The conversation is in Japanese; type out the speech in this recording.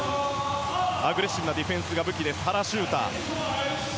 アグレッシブなディフェンスが武器の原修太。